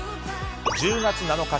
１０月７日